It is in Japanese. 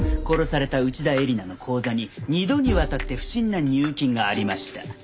殺された内田絵里奈の口座に２度にわたって不審な入金がありました。